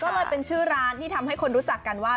ก็เลยเป็นชื่อร้านที่ทำให้คนรู้จักกันว่า